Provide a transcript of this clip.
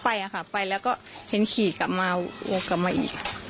ไปค่ะไปแล้วก็เห็นขี่กลับมาวนกลับมาอีก